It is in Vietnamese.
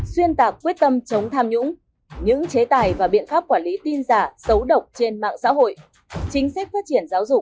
xuyên tạp quyết tâm chống tham nhũng những chế tài và biện pháp quản lý tin giả xấu độc trên mạng xã hội